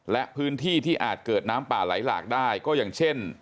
และพื้นที่ที่อาจเกิดน้ำป่าไหลหลากได้ก็อย่างเช่น